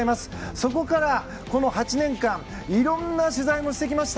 そこから８年間いろんな取材もしてきました。